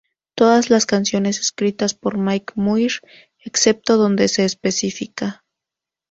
Todas las canciones escritas por Mike Muir excepto donde se especifica.